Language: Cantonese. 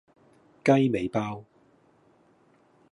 雞尾包